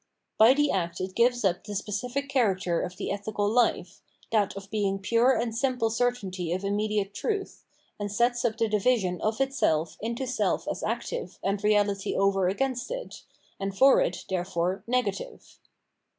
By the act it gives up the specific character of the ethical life, that of * viz, divine and iimnan law, Ethical Action 465 being pure and simple certaiuty of immediate truth, and sets up the division of itself into self as active and reality over against it, and for it, therefore, negative.